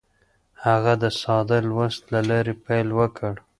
هغه د ساده لوست له لارې پیل وکړ.